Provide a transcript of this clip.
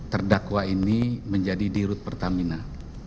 terdakwa ini menjadi di rut pertamina